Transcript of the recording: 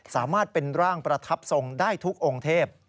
สามารถเป็นร่างประทับทรงได้ทุกองค์เทพ